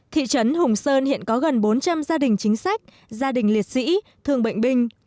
thị trấn hùng sơn hiện có gần bốn trăm linh gia đình chính sách gia đình liệt sĩ thương bệnh binh